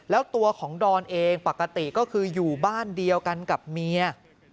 แล้วตัวของดอนเองปกติก็คืออยู่บ้านเดียวกันกับเมีย